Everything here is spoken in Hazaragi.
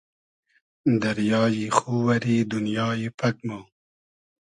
دئریای خو وئری دونیای پئگ مۉ